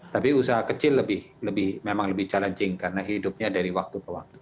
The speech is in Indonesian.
tapi usaha kecil memang lebih challenging karena hidupnya dari waktu ke waktu